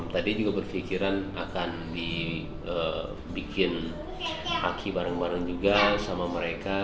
tadi juga berpikiran akan dibikin aki bareng bareng juga sama mereka